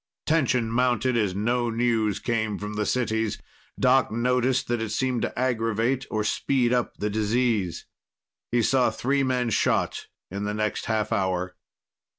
Tension mounted as no news came from the cities. Doc noticed that it seemed to aggravate or speed up the disease. He saw three men shot in the next half hour.